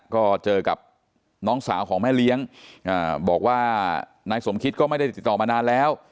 ก็เจอกับน้องสาวของแม่เลี้ยงบอกว่านายสมคิตก็ไม่ได้ติดต่อมานานแล้ว